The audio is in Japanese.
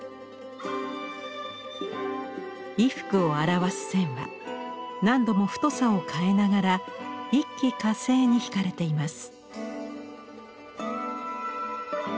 衣服を表す線は何度も太さを変えながら一気呵成に引かれています。